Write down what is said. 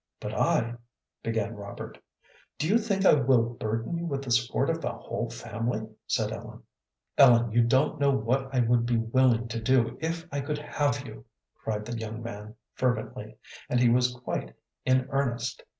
"But I " began Robert. "Do you think I will burden you with the support of a whole family?" said Ellen. "Ellen, you don't know what I would be willing to do if I could have you," cried the young man, fervently. And he was quite in earnest.